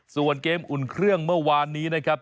ส่วนเกมอุ่นเครื่องเมื่อวานนี้นะครับ